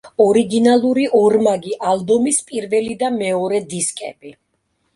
ორიგინალური ორმაგი ალბომის პირველი და მეორე დისკები.